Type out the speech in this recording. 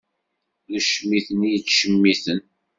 D ucmiten i yettcemiten.